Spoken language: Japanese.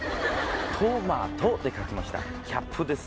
「トマト」って書きましたキャップです。